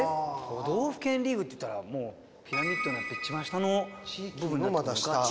都道府県リーグっていったらもうピラミッドだと一番下の部分。